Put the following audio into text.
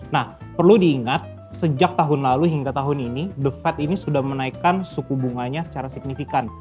nah perlu diingat sejak tahun lalu hingga tahun ini the fed ini sudah menaikkan suku bunganya secara signifikan